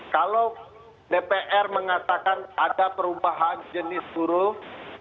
mereka mengatakan ada perubahan jenis huruf